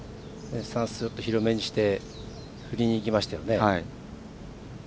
スタンス、広めにして振りにいきましたよね。